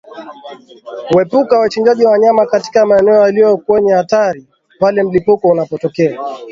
Kuepuka kuwachinja wanyama katika maeneo yaliyo kwenye hatari pale mlipuko unapotokea